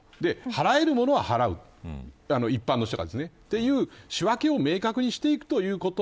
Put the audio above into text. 払えるものは払う一般の人がですね。という仕分けを明確にしていくということ。